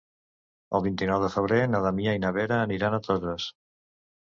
El vint-i-nou de febrer na Damià i na Vera aniran a Toses.